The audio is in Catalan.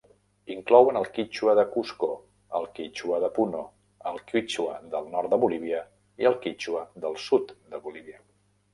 Inclouen el quítxua de Cusco, el quítxua de Puno, el quítxua del nord de Bolívia i el quítxua del sud de Bolívia.